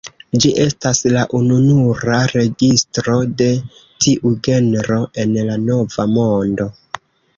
Ĝi estas la ununura registro de tiu genro en la Nova Mondo.